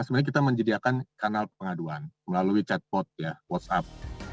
sebenarnya kita menyediakan kanal pengaduan melalui chatbot ya whatsapp